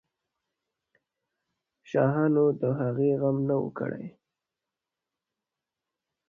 شاهانو د هغې غم نه وو کړی.